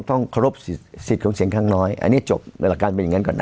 ต้องเคารพสิทธิ์ของเสียงข้างน้อยอันนี้จบในหลักการเป็นอย่างนั้นก่อนนะ